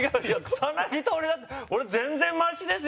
草薙と俺だったら俺、全然マシですよ！